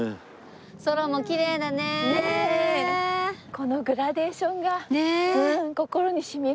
このグラデーションが心に染みる。